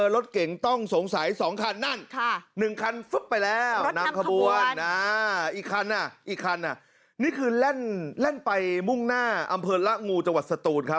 รถเก๋งต้องสงสัย๒คันนั่น๑คันฟึ๊บไปแล้วนำขบวนอีกคันอีกคันนี่คือแล่นไปมุ่งหน้าอำเภอละงูจังหวัดสตูนครับ